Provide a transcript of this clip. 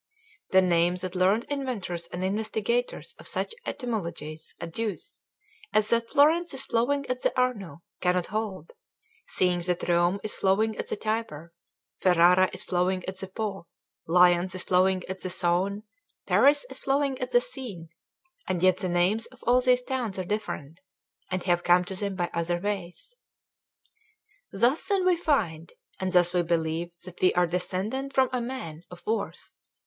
The name that learned inventors and investigators of such etymologies adduce, as that Florence is flowing at the Arno, cannot hold; seeing that Rome is flowing at the Tiber, Ferrara is flowing at the Po, Lyons is flowing at the Saone, Paris is flowing at the Seine, and yet the names of all these towns are different, and have come to them by other ways. Thus then we find; and thus we believe that we are descended from a man of worth.